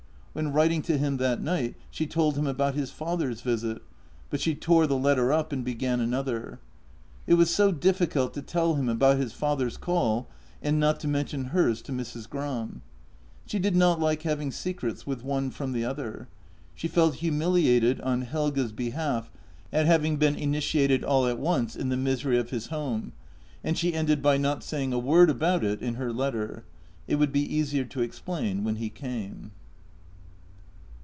When writing to him that night she told him about his father's visit, but she tore the letter up and began another. It was so difficult to tell him about his father's call and not to mention hers to Mrs. Gram. She did not like hav ing secrets with one from the other. She felt humiliated on Helge's behalf at having been initiated all at once in the misery of his home, and she ended by not saying a word about it in her letter — it would be easier to explain when he came.